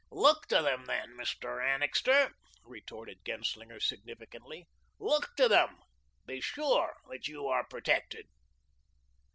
"Look to them, then, Mr. Annixter," retorted Genslinger significantly, "look to them. Be sure that you are protected."